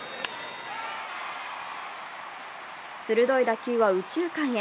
鋭い打球は右中間へ。